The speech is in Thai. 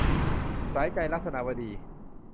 สายใจ - ลักษณวดี